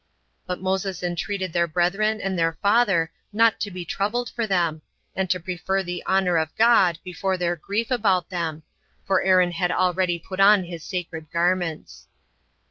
But Moses entreated their brethren and their father not to be troubled for them, and to prefer the honor of God before their grief about them; for Aaron had already put on his sacred garments.